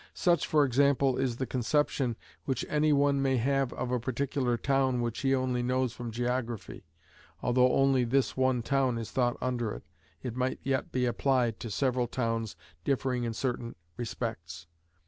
Such, for example, is the conception which any one may have of a particular town which he only knows from geography; although only this one town is thought under it, it might yet be applied to several towns differing in certain respects.